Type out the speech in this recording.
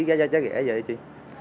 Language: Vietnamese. cái giá trái rẻ vậy chị